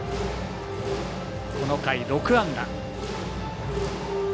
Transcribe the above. この回、６安打。